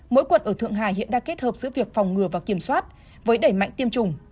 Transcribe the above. mỗi quận ở thượng hà hiện đang kết hợp giữa việc phòng ngừa và kiểm soát với đẩy mạnh tiêm chủng